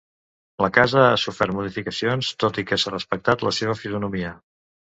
La casa ha sofert modificacions tot i que s'ha respectat la seva fisonomia.